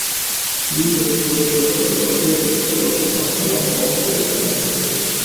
იუდას ცხოვრებასთან დაკავშირებით სხვადასხვა მასალამ მოაღწია ჩვენამდე.